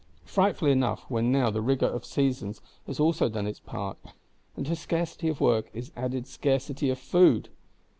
Frightful enough, when now the rigour of seasons has also done its part, and to scarcity of work is added scarcity of food!